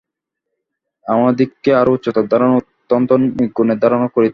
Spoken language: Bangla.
আমাদিগকে আরও উচ্চতর ধারণা অর্থাৎ নির্গুণের ধারণা করিতে হইবে।